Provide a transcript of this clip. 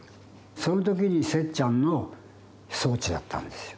その時にせっちゃんの装置だったんですよ。